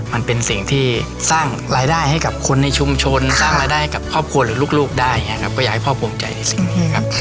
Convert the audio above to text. มันเป็นสิ่งที่สร้างรายได้ให้กับคนในชุมชนสร้างรายได้กับครอบครัวหรือลูกได้อย่างนี้ครับก็อยากให้พ่อภูมิใจในสิ่งนี้ครับ